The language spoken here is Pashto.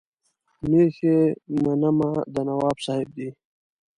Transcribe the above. مېښې منمه د نواب صاحب دي.